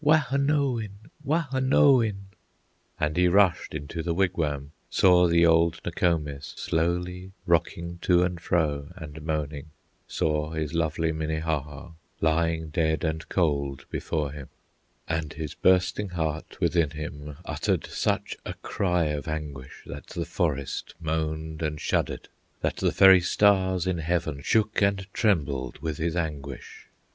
Wahonowin! Wahonowin!" And he rushed into the wigwam, Saw the old Nokomis slowly Rocking to and fro and moaning, Saw his lovely Minnehaha Lying dead and cold before him, And his bursting heart within him Uttered such a cry of anguish, That the forest moaned and shuddered, That the very stars in heaven Shook and trembled with his anguish.